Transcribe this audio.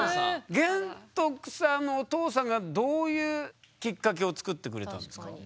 玄徳さんのお父さんがどういうきっかけを作ってくれたんですか？